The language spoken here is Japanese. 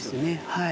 はい。